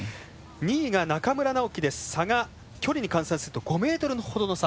２位が中村直幹で差が距離に換算すると５ｍ程の差。